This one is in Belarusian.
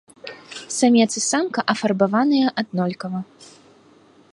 Самец і самка афарбаваныя аднолькава.